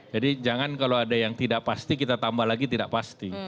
jadi jangan kalau ada yang tidak pasti kita tambah lagi tidak pasti